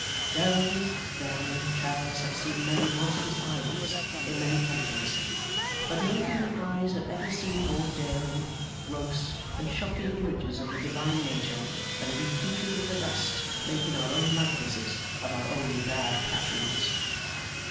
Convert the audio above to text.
Verily, verily, travellers have seen many monstrous idols in many countries; but no human eyes have ever seen more daring, gross, and shocking images of the Divine nature than we creatures of the dust make in our own likenesses, of our own bad passions.